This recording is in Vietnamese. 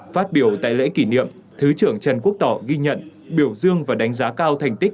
phát biểu tại lễ kỷ niệm thứ trưởng trần quốc tỏ ghi nhận biểu dương và đánh giá cao thành tích